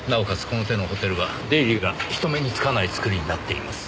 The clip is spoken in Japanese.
この手のホテルは出入りが人目につかない造りになっています。